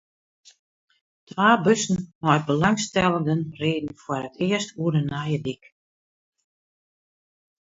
Twa bussen mei belangstellenden rieden foar it earst oer de nije dyk.